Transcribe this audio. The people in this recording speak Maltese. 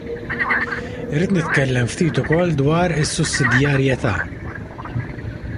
Irrid nitkellem ftit ukoll dwar is-sussidjarjetà.